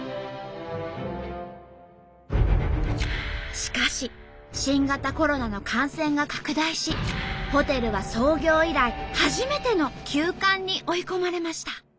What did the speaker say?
しかし新型コロナの感染が拡大しホテルは創業以来初めての休館に追い込まれました。